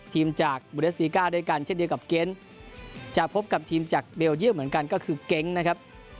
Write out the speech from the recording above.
ทีมจากบูเดสติก้าด้วยกันเช่นเดียวกับเก้นจะพบกับทีมจากเบลเยี่ยมเหมือนกันก็คือเก๊งนะครับ